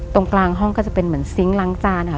ตรงกลางห้องก็จะเป็นเหมือนซิงค์ล้างจานค่ะ